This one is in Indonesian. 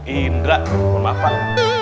indra mohon maaf pak